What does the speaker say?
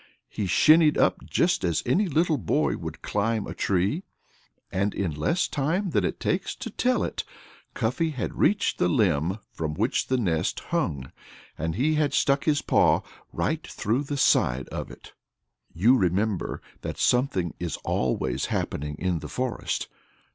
He shinned up just as any little boy would climb a tree. And in less time than it takes to tell it, Cuffy had reached the limb from which the nest hung, and he had stuck his paw right through the side of it. You remember that something is always happening in the forest?